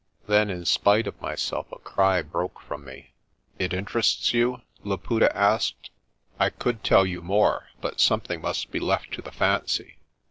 Then in spite of myself a cry broke from me. "It interests you?" Laputa asked. "I could tell you more but something must be left to the fancy.